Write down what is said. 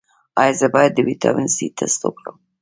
ایا زه باید د ویټامین سي ټسټ وکړم؟